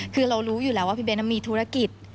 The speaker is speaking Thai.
คือเรารู้อยู่แล้วว่าพี่เบ้นมีธุรกิจ